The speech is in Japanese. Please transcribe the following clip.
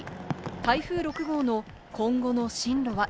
台風６号の今後の進路は？